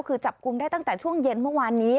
คือจับกลุ่มได้ตั้งแต่ช่วงเย็นเมื่อวานนี้